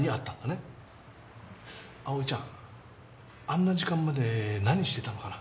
葵ちゃんあんな時間まで何してたのかな？